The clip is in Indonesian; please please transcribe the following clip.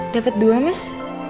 dapet dua mas